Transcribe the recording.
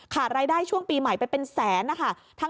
รายได้ช่วงปีใหม่ไปเป็นแสนนะคะ